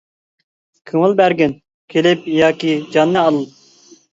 كۆڭۈل بەرگىن، كېلىپ ياكى جاننى ئال.